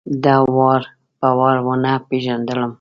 ده وار په وار ونه پېژندلم.